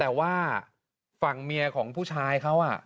แต่ว่าฝั่งเมียของผู้ชายเขา